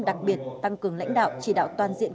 đặc biệt tăng cường lãnh đạo chỉ đạo toàn diện